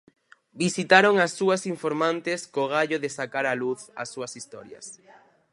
Visitaron as súas informantes, co gallo de sacar á luz as súas historias.